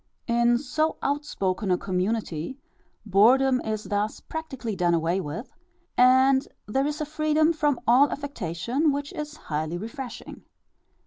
In so outspoken a community, boredom is thus practically done away with, and there is a freedom from all affectation which is highly refreshing.